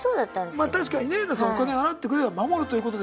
まあ確かにねお金払ってくれれば守るということで。